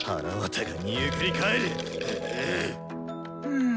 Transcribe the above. うん。